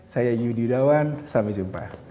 saya yudi yudawan sampai jumpa